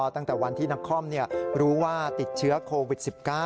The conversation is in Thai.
ตั้งแต่วันที่นักคอมรู้ว่าติดเชื้อโควิด๑๙